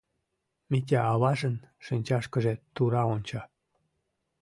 — Митя аважын шинчашкыже тура онча.